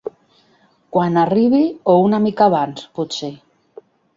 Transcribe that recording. Quan arribi, o una mica abans, potser?